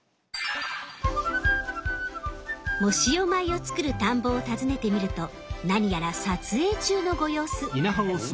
藻塩米を作る田んぼを訪ねてみると何やら撮影中のご様子。